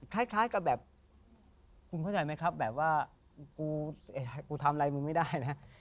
คล้ายกับแบบกูเข้าใจไหมครับแบบว่ากูทำอะไรมึงไม่ได้นะ